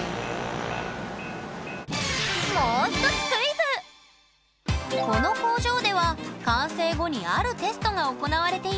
もうひとつこの工場では完成後にあるテストが行われています。